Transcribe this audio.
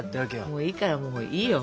もういいからもういいよ。